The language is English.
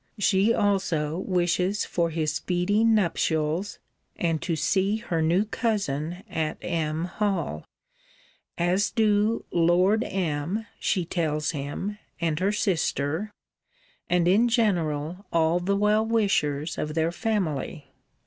'She also wishes for his speedy nuptials; and to see her new cousin at M. Hall: as do Lord M. she tells him, and her sister; and in general all the well wishers of their family.